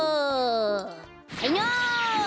はいの！